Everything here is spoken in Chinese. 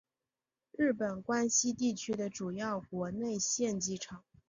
日本关西地区的主要国内线机场。